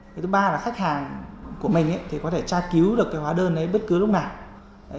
cái thứ ba là khách hàng của mình thì có thể tra cứu được cái hóa đơn đấy bất cứ lúc nào